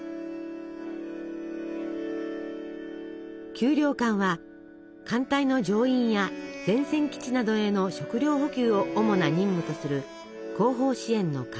給糧艦は艦隊の乗員や前線基地などへの食糧補給を主な任務とする後方支援の要。